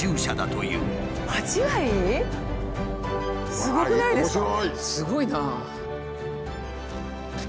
すごいなあ。